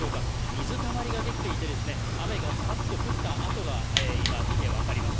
水たまりが出来ていて、雨がざっと降った跡が、今、見て分かります。